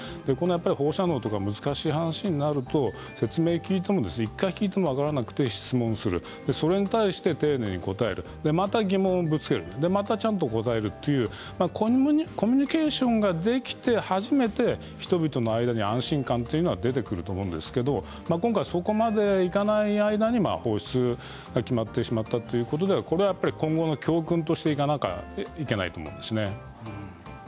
放射能とか難しい話になると説明を聞いていても１回聞いても分からなくて質問をするそれに対して丁寧に答えるまた疑問をぶつけるまたちゃんと答えるというコミュニケーションができて初めて人々の間に安心感というものは出てくると思うんですけど今回そこまでいかない間に放出が決まってしまったということで今後の教訓としていかなくてはいけないと思います。